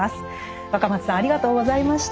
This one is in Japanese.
若松さんありがとうございました。